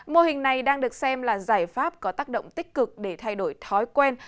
mô hình này đang được xem là giải pháp có tác động tích cực để thay đổi thói quen